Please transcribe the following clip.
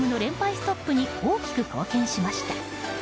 ストップに大きく貢献しました。